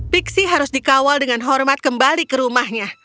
pixi harus dikawal dengan hormat kembali ke rumahnya